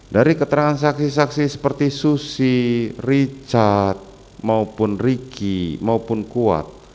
dari keterangan saksi saksi seperti susi richard maupun riki maupun kuat